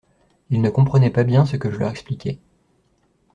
Ils ne comprenaient pas bien ce que je leur expliquais.